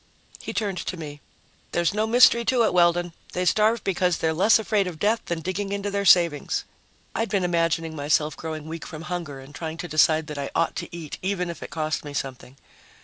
He turned to me. "There's no mystery to it, Weldon. They starve because they're less afraid of death than digging into their savings." I'd been imagining myself growing weak from hunger and trying to decide that I ought to eat even if it cost me something.